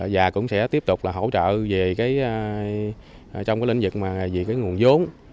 và cũng sẽ tiếp tục là hỗ trợ về cái trong cái lĩnh vực mà vì cái nguồn vốn